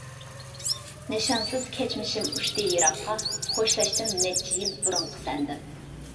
نىشانسىز كەچمىشىم ئۇچتى يىراققا، خوشلاشتىم نەچچە يىل بۇرۇنقى سەندىن.